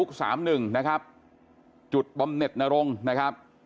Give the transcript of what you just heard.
ครับหนึ่งนะครับจุดบำเน็ตนรงอะไรครับ